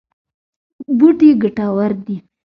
بوټي ګټور دي.